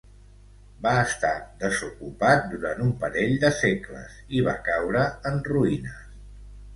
Va estar desocupat durant un parell de segles i va caure en ruïnes.